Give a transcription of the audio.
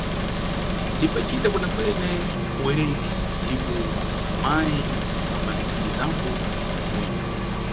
Nimbacita kwenekwene uwerengi ndipo mayi ambandithandizambo kumuyi.